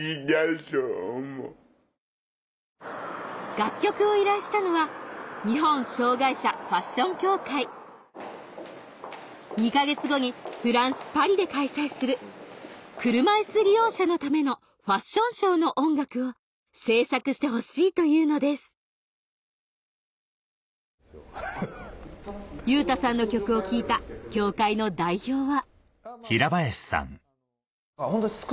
楽曲を依頼したのは日本障がい者ファッション協会２か月後にフランスパリで開催する車いす利用者のためのファッションショーの音楽を制作してほしいというのです優太さんの曲を聴いた協会の代表は